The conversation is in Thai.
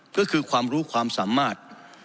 ก็คือความรู้ความสามารถ